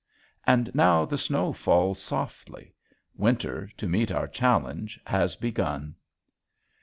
And now the snow falls softly. Winter, to meet our challenge, has begun.